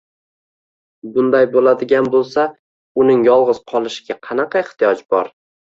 Bunday boʻladigan boʻlsa, uning yolgʻiz qolishiga qanaqa ehtiyoj bor